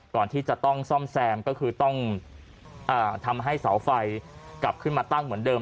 ก่อนที่จะต้องซ่อมแซมก็คือต้องทำให้เสาไฟกลับขึ้นมาตั้งเหมือนเดิม